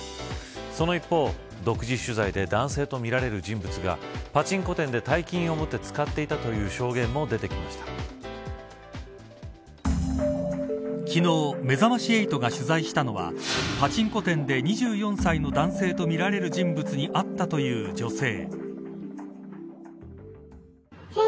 その一方、独自取材で男性とみられる人物がパチンコ店で大金を持って使っていたという証言も昨日めざまし８が取材したのはパチンコ店で２４歳の男性とみられる人物に会ったという女性。